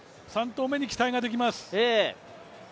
３投目に期待ができます。